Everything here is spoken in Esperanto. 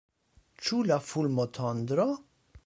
Ĉu la fulmotondro?